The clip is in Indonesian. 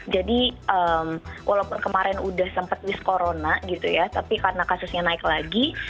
jadi walaupun kemarin udah sempet twist corona gitu ya tapi karena kasusnya naik lagi